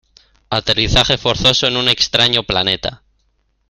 Aterrizaje forzoso en un extraño planeta.